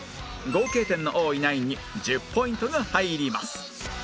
合計点の多いナインに１０ポイントが入ります